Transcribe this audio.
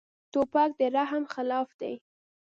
توپک د رحم خلاف دی.